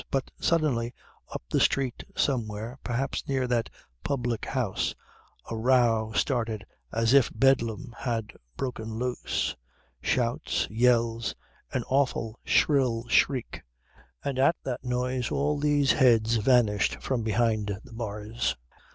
But suddenly, up the street somewhere, perhaps near that public house, a row started as if Bedlam had broken loose: shouts, yells, an awful shrill shriek and at that noise all these heads vanished from behind the bars.